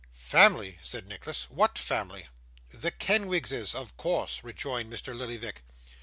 'Family!' said Nicholas. 'What family?' 'The Kenwigses of course,' rejoined Mr. Lillyvick.